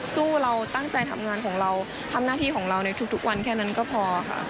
เราตั้งใจทำงานของเราทำหน้าที่ของเราในทุกวันแค่นั้นก็พอค่ะ